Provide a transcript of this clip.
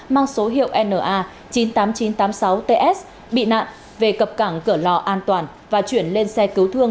mang số hiệu na chín mươi tám nghìn chín trăm tám mươi sáu ts bị nạn về cập cảng cửa lò an toàn và chuyển lên xe cứu thương